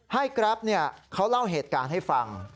ให้กราฟเนี่ยเขาเล่าเหตุการณ์ให้ฟัง